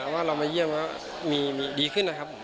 แต่ว่าเรามาเยี่ยมแล้วมีดีขึ้นนะครับผม